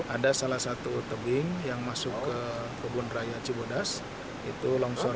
ada salah satu tebing yang masuk ke kebun raya cibodas itu longsor